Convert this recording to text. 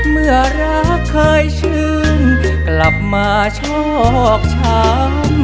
เมื่อรักเคยชื่นกลับมาชอบช้าง